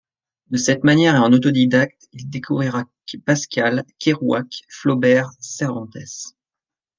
De cette manière et en autodidacte, il découvrira Pascal, Kerouac, Flaubert, Cervantès.